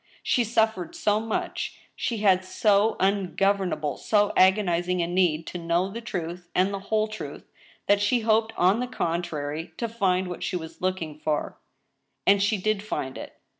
She suffered so much, she had so ungovern able, so agonizing a need, to know the truth, and the whole truth, that she hoped, on the contrar)% to find what she was looking for. ANOTHER VERDICT. 221, And she did find it.